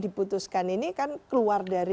diputuskan ini kan keluar dari